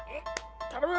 頼む！